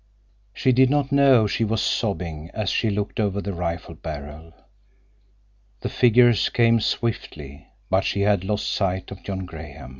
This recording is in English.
She did not know she was sobbing as she looked over the rifle barrel. The figures came swiftly, but she had lost sight of John Graham.